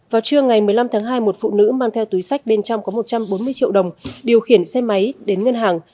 vào trưa ngày một mươi năm tháng hai một phụ nữ mang theo túi sách bên trong có một trăm bốn mươi triệu đồng điều khiển xe máy đến ngân hàng